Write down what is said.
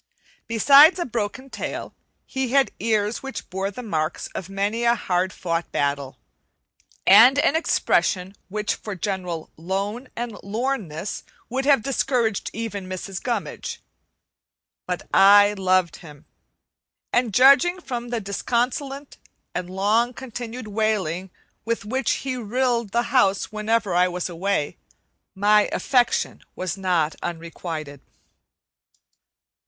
Besides a broken tail, he had ears which bore the marks of many a hard fought battle, and an expression which for general "lone and lorn" ness would have discouraged even Mrs. Gummidge. But I loved him, and judging from the disconsolate and long continued wailing with which he rilled the house whenever I was away, my affection was not unrequited.